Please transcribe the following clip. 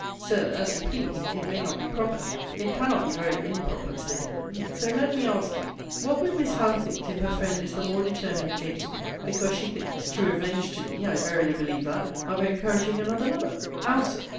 Sir, as you please it may not be proper It cannot be very improper, Mr. Hickman So let me ask you, What would Miss Howe think, if her friend is the more determined against me, because she thinks (to revenge to me, I verily believe that!) of encouraging another lover? How, Sir!